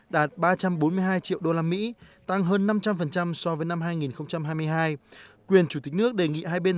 đạt ba trăm bốn mươi hai triệu usd tăng hơn năm trăm linh so với năm hai nghìn hai mươi hai quyền chủ tịch nước đề nghị hai bên